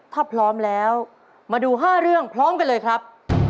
ถ้าพร้อมแล้วมาดู๕เรื่องพร้อมกันเลยครับ